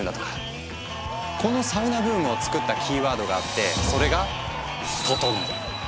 このサウナブームをつくったキーワードがあってそれが「ととのう」。